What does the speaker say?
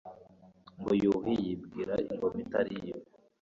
ngo yuhi yibiwe ingoma atari we